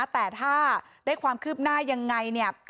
แต่ถ้าได้ความคืบหน้ายังไงเนี่ย